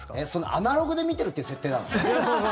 アナログで見てるって設定なの？